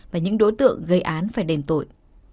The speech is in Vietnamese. và những đối tượng gây án phải đền tội